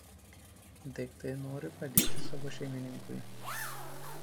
Daiktai nori padėti savo šeimininkui.